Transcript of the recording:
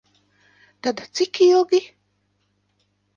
Tad cik ilgi?